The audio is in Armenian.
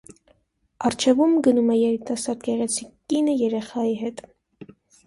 Առջևում գնում է երիտասարդ գեղեցիկ կինը երեխայի հետ։